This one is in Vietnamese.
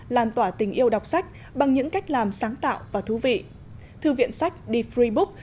làn tỏa tình yêu đọc sách bằng những cách làm sáng tạo và thú vị thư viện sách the free book